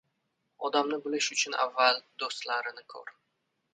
• Odamni bilish uchun avval do‘stlarini ko‘r.